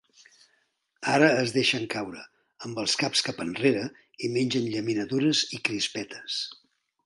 Ara es deixen caure, amb els caps cap enrere i mengen llaminadures i crispetes.